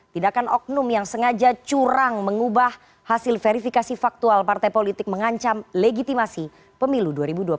tidakkan oknum yang sengaja curang mengubah hasil verifikasi faktual partai politik mengancam legitimasi pemilu dua ribu dua puluh